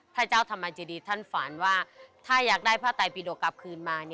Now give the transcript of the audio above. พระเจ้าธรรมเจดีท่านฝันว่าถ้าอยากได้ผ้าไตปิดกกลับคืนมา